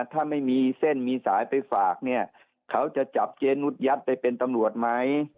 ถ้าไม่มีเส้นมีสายไปฝากเนี่ยเขาจะจับเจนุสยัดไปเป็นตำรวจไหม